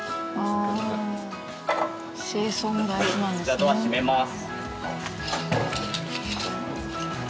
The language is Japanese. じゃあドア閉めます。